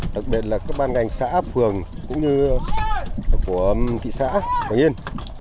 đặc biệt là các ban ngành xã phường cũng như của kỳ xã hoàng yên